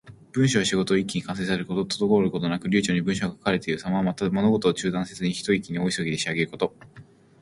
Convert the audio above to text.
文章や仕事を一気に完成させること。滞ることなく流暢に文章が書かれているさま。また、物事を中断せずに、ひと息に大急ぎで仕上げること。